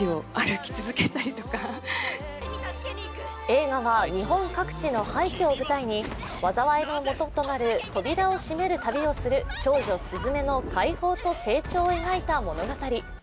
映画は、日本各地の廃虚を舞台に災いの元となる、扉を閉める旅をする少女・すずめの解放と成長を描いた物語。